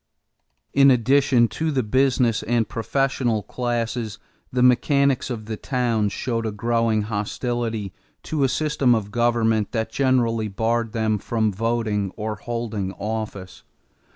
In addition to the business and professional classes, the mechanics of the towns showed a growing hostility to a system of government that generally barred them from voting or holding office.